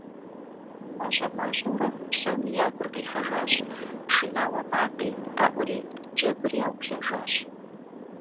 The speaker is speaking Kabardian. МащӀэ-мащӀэурэ псоми я гур къихьэжащ, пшынауэ макъи къэӀури, джэгур яублэжащ.